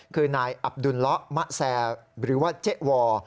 คือนายอับดุลละมะแซหรือว่าเจ๊วอร์